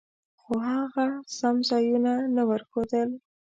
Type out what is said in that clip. خو هغه سم ځایونه نه ورښودل.